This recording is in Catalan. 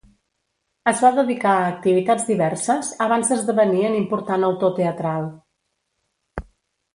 Es va dedicar a activitats diverses abans d'esdevenir en important autor teatral.